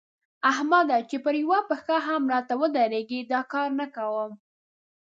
احمده! چې پر يوه پښه هم راته ودرېږي؛ دا کار نه کوم.